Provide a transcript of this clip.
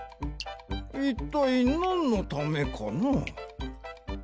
いったいなんのためかな？